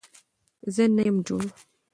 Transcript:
زه نه يم جوړ